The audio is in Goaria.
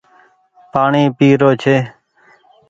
پآڻيٚ پي رو ڇي۔